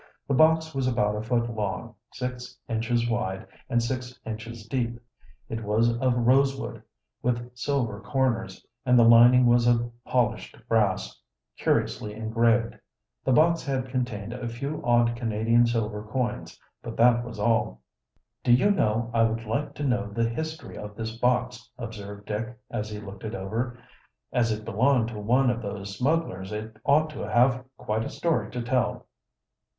The box was about a foot long, six inches wide, and six inches deep. It was of rosewood, with silver corners, and the lining was of polished brass, curiously engraved. The box had contained a few odd Canadian silver coins, but that was all. "Do you know, I would like to know the history of this box," observed Dick, as he looked it over. "As it belonged to one of those smugglers it ought to have quite a story to tell."